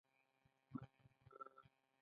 ما په کابل کي وخت تېر کړی دی .